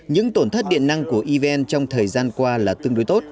những tổn thất điện năng của evn trong thời gian qua là tương đối tốt